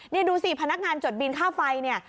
นี่ดูสิพนักงานจดบินค่าไฟเนี่ย